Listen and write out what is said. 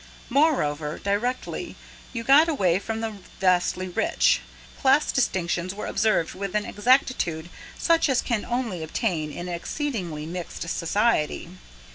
Moreover, directly you got away from the vastly rich, class distinctions were observed with an exactitude such as can only obtain in an exceedingly mixed society.